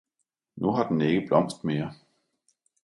Nu har den ikke blomst mere!